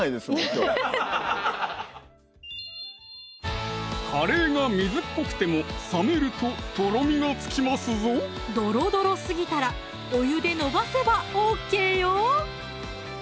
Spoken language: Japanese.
きょうカレーが水っぽくても冷めるととろみがつきますぞどろどろすぎたらお湯でのばせばＯＫよ！